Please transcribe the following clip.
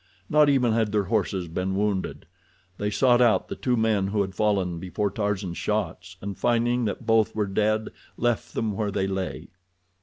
Not even had their horses been wounded. They sought out the two men who had fallen before Tarzan's shots, and, finding that both were dead, left them where they lay.